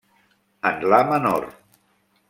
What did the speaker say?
En la menor.